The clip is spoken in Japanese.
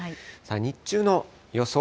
日中の予想